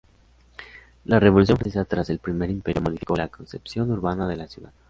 La Revolución francesa, tras el Primer Imperio modificó la concepción urbana de la ciudad.